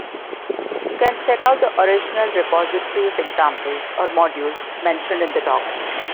You can check out the original repository of examples or modules mentioned in the docs.